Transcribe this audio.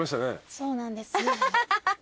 そうなんです。